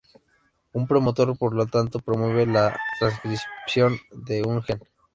Un promotor por lo tanto, promueve la transcripción de un gen.